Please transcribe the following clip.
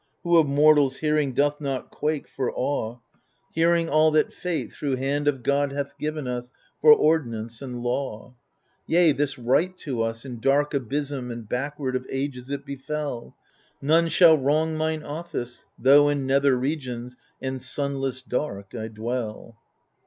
Who of mortals hearing Doth not quake for awe. 154 THE FURIES Hearing all that Fate thro' hand of God hath given us For ordinaooe and law ? Yea, this right to us, in dark abysm and backward Of ages it befel : None shall wrong mine office, tho' in nether regions And sunless dark I dwell.